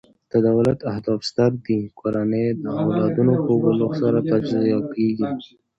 د دولت اهداف ستر دي؛ کورنۍ د او لادونو په بلوغ سره تجزیه کیږي.